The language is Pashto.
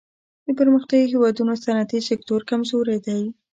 د پرمختیايي هېوادونو صنعتي سکتور کمزوری دی.